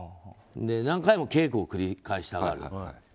何回も稽古を繰り返したがる。